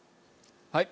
はい。